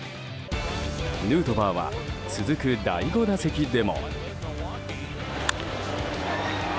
ヌートバーは続く第５打席でも。